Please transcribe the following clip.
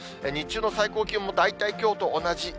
日中の最高気温も大体きょうと同じ。